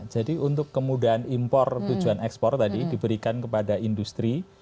jadi untuk kemudahan impor tujuan ekspor tadi diberikan kepada industri